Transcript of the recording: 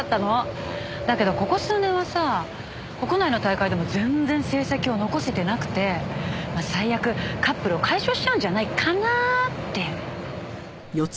だけどここ数年はさ国内の大会でも全然成績を残せてなくてまあ最悪カップルを解消しちゃうんじゃないかなって。